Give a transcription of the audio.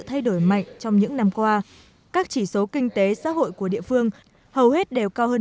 thay đổi mạnh trong những năm qua các chỉ số kinh tế xã hội của địa phương hầu hết đều cao hơn